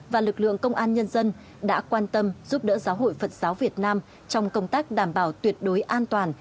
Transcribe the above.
và lực lượng công an nhân dân đã quan tâm giúp đỡ giáo hội phật giáo việt nam trong công tác đảm bảo tuyệt đối an toàn